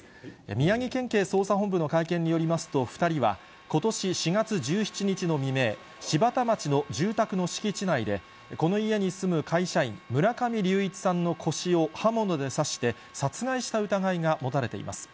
宮城県警捜査本部の会見によりますと、２人はことし４月１７日の未明、柴田町の住宅の敷地内で、この家に住む会社員、村上隆一さんの腰を刃物で刺して殺害した疑いが持たれています。